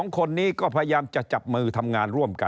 ผลพวงมันยังไม่ออกมา